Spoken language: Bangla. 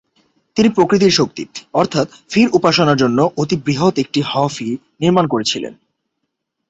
তিনি প্রকৃতির শক্তি অর্থাৎ ফির উপাসনার জন্য অতি বৃহৎ একটি হ'-ফি নির্মাণ করেছিলেন।